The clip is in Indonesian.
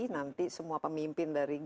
nanti semua pemimpin dari